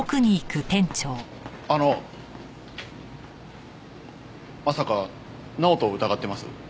あのまさか直人を疑ってます？